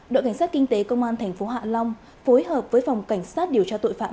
đội cảnh sát kinh tế công an tp hạ long phối hợp với phòng cảnh sát điều tra tội phạm